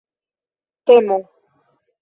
temo